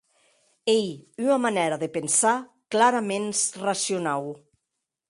Ei ua manèra de pensar claraments racionau.